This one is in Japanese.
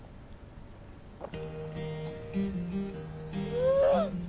うん！